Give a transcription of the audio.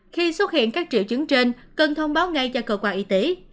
khi xuất hiện các triệu chứng trên cần thông báo ngay cho cơ quan y tế